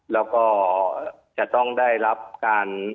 แล้วก็จะต้องได้รับการ